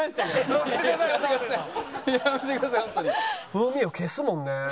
風味を消すもんね。